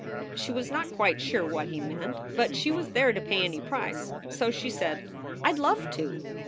She was not quite sure what he meant, but she was there to pay any price, so she said: "I d love to."